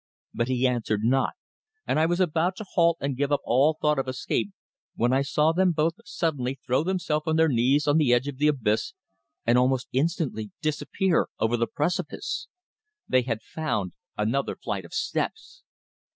But he answered not, and I was about to halt and give up all thought of escape, when I saw them both suddenly throw themselves on their knees on the edge of the abyss, and almost instantly disappear over the precipice. They had found another flight of steps!